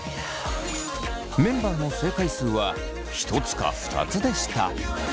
メンバーの正解数は１つか２つでした。